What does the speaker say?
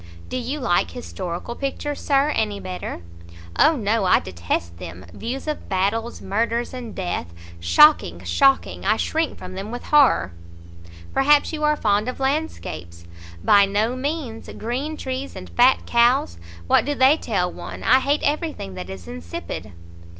"Do you like historical pictures, Sir, any better?" "O no, I detest them! views of battles, murders, and death! Shocking! shocking! I shrink from them with horror!" "Perhaps you are fond of landscapes?" "By no means! Green trees and fat cows! what do they tell one? I hate every thing that is insipid."